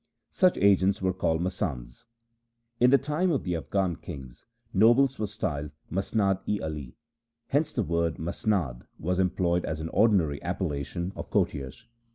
Such agents were called masands. In the time of the Afghan kings, nobles were styled Masnad i ali. Hence the word masnad was employed as an ordinary appellation of courtiers.